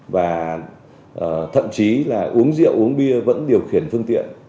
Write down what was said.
và thậm chí là uống rượu uống bia vẫn điều khiển phương tiện